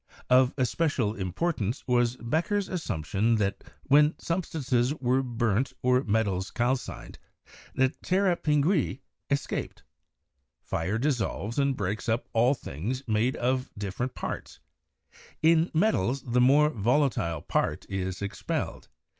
Of especial importance was Becher's assumption that when substances were burnt or metals calcined, the 'terra pin guis' escaped: "Fire dissolves and breaks up all things made up of different parts — in metals the more volatile part is expelled."